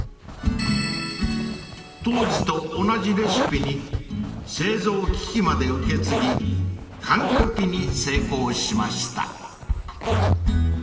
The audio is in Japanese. ［当時と同じレシピに製造機器まで受け継ぎ完コピに成功しました］